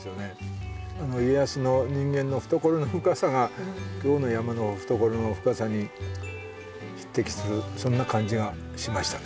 家康の人間の懐の深さが今日の山の懐の深さに匹敵するそんな感じがしましたね。